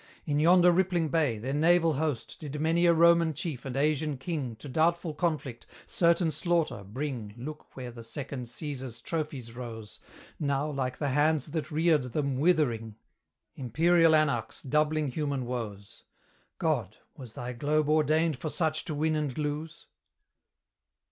In yonder rippling bay, their naval host Did many a Roman chief and Asian king To doubtful conflict, certain slaughter, bring Look where the second Caesar's trophies rose, Now, like the hands that reared them, withering; Imperial anarchs, doubling human woes! God! was thy globe ordained for such to win and lose?